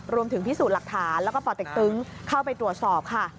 พิสูจน์หลักฐานแล้วก็ป่อเต็กตึงเข้าไปตรวจสอบค่ะ